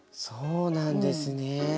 そうなんですね。